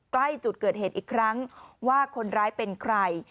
ใกล้จุดเกิดเหตุอีกครั้งว่าคนร้ายเป็นใคร